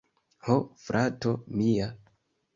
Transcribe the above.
Ho, frato mia!